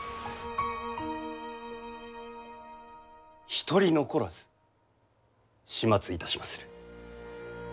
一人残らず始末いたしまする。